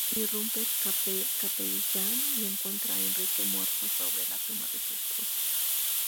Irrumpe el capellán y encuentra a Enrique muerto sobre la tumba de su esposa.